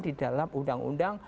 di dalam undang undang